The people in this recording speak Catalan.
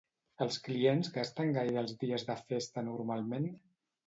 Els clients gasten gaire els dies de festa normalment?